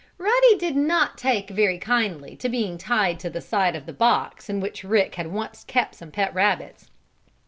Ruddy did not take very kindly to being tied to the side of the box in which Rick had once kept some pet rabbits.